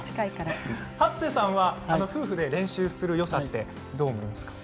初瀬さんは夫婦で練習するよさってどう思いますか？